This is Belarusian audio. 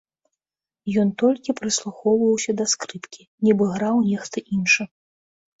Ён толькі прыслухоўваўся да скрыпкі, нібы граў нехта іншы.